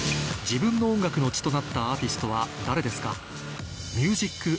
自分の音楽の血となったアーティストは誰ですか？